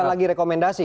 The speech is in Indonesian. bukan lagi rekomendasi